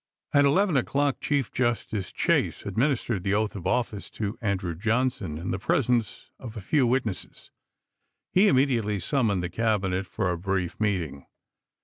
At eleven Api.i5.j8M. o'clock Chief Justice Chase administered the oath of office to Andrew Johnson in the presence of a few witnesses. He immediately summoned the Cabinet for a brief meeting.